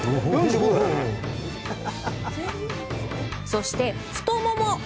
そして太もも。